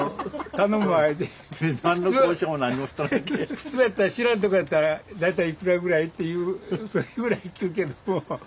普通やったら知らんとこやったら「大体いくらぐらい？」っていうそれぐらい聞くけどももう信用しとるからうん。